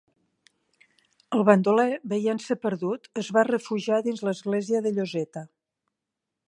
El bandoler, veient-se perdut, es va refugiar dins l'església de Lloseta.